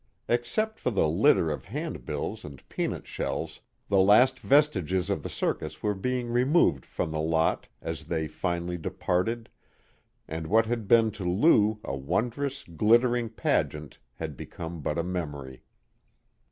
Except for the litter of hand bills and peanut shells, the last vestiges of the circus were being removed from the lot as they finally departed, and what had been to Lou a wondrous, glittering pageant had become but a memory.